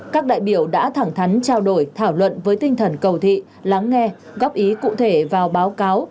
các đại biểu đã thẳng thắn trao đổi thảo luận với tinh thần cầu thị lắng nghe góp ý cụ thể vào báo cáo